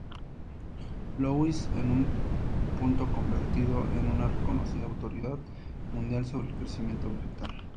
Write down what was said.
Louis, en un punto convertido en una reconocida autoridad mundial sobre el crecimiento vegetal.